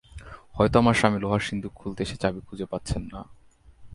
হয়তো আমার স্বামী লোহার সিন্দুক খুলতে এসে চাবি খুঁজে পাচ্ছেন না।